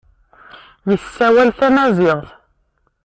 Yessawal tamaziɣt.